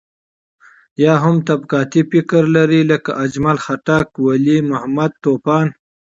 يا هم طبقاتي فکر لري لکه اجمل خټک، ولي محمد طوفان.